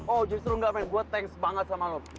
oh justru enggak men gue thanks banget sama lo